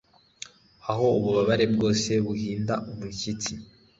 Aho ububabare bwose buhinda umushyitsi